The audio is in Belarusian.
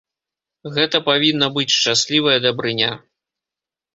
Гэта павінна быць шчаслівая дабрыня.